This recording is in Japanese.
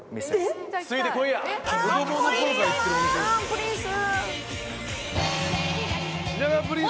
プリンス。